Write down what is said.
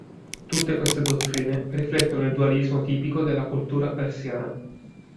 Tutte queste dottrine riflettono il dualismo tipico della cultura persiana.